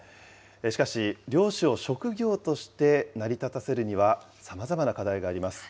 しかし、猟師を職業として成り立たせるにはさまざまな課題があります。